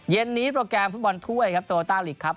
เย็นนี้โปรแกรมฟุตบอลถ้วยครับโตโยต้าลีกครับ